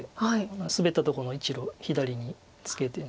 今スベったとこの１路左にツケて。